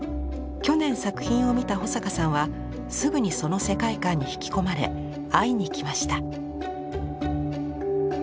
去年作品を見た保坂さんはすぐにその世界観に引き込まれ会いに行きました。